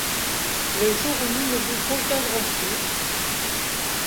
Le jour où nous ne vous conviendrons plus